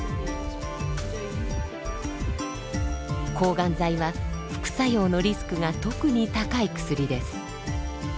抗がん剤は副作用のリスクが特に高い薬です。